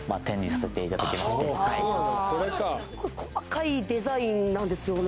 細かいデザインなんですよね